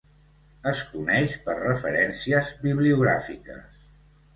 Es coneix per referències bibliogràfiques.